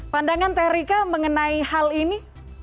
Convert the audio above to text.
pandangan teh rika mengenai hal ini